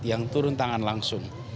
yang turun tangan langsung